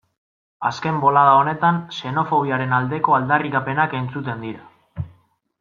Azken bolada honetan xenofobiaren aldeko aldarrikapenak entzuten dira.